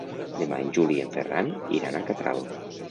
Demà en Juli i en Ferran iran a Catral.